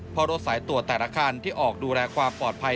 เพราะรถสายตรวจแต่ละคันที่ออกดูแลความปลอดภัย